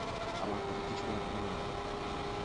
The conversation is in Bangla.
আমার কথা কিছুই আপনার মনে থাকবে না।